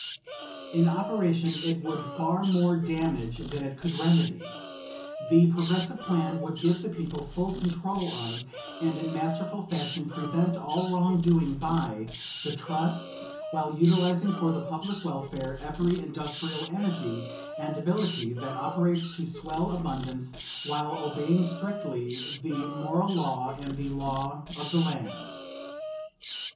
In operation it would do far more damage than it could remedy. The Progressive plan would give the people full control of, and in masterful fashion prevent all wrongdoing by, the trusts, while utilizing for the public welfare every industrial energy and ability that operates to swell abundance, while obeying strictly the moral law and the law of the land.